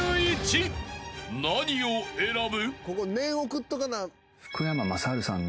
［何を選ぶ？］